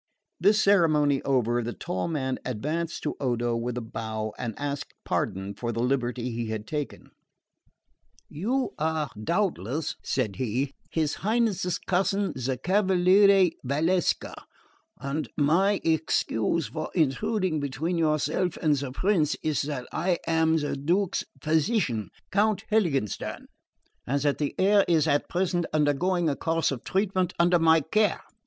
This ceremony over, the tall man advanced to Odo with a bow and asked pardon for the liberty he had taken. "You are doubtless," said he, "his Highness's cousin, the Cavaliere Valsecca; and my excuse for intruding between yourself and the prince is that I am the Duke's physician, Count Heiligenstern, and that the heir is at present undergoing a course of treatment under my care.